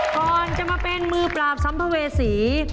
ก่อนจะมาเป็นมือปราบสัมภเวษี